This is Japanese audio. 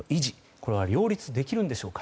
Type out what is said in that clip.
これは両立できるんでしょうか。